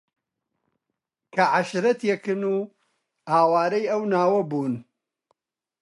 کە عەشیرەتێکن و ئاوارەی ئەو ناوە بوون